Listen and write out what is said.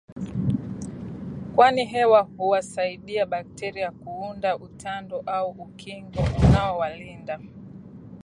kwani hewa huwasaidia bakteria kuunda utando au ukingo unaowalinda